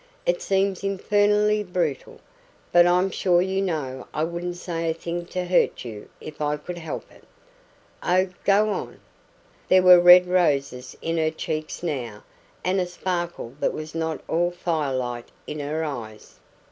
It seems infernally brutal but I'm sure you know I wouldn't say a thing to hurt you if I could help it." "Oh, go on!" There were red roses in her cheeks now, and a sparkle that was not all firelight in her eyes.